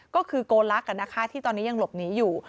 ก็คือโกลักษณ์ที่ตอนนี้ยังหลบหนีอยู่